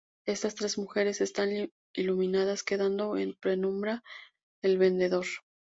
Estas tres mujeres están iluminadas, quedando en penumbra el vendedor.